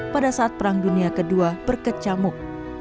pada saat perang dunia ii berkecamuk